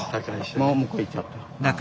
もう向こう行っちゃった。